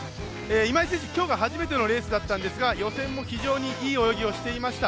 今井選手、今日が初めてのレースだったんですが予選も非常にいい泳ぎをしていました。